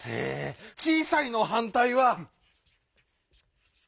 「ちいさい」のはんたいは。